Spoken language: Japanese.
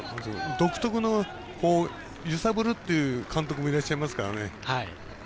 独特の揺さぶるっていう監督もいらっしゃいますからね。